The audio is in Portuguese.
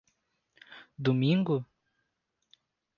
Domingo?